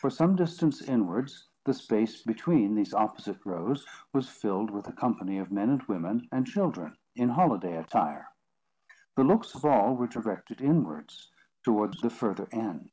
For some distance inwards, the space between these opposite rows was filled with a company of men and women and children, in holiday attire. The looks of all were directed inwards, towards the further end.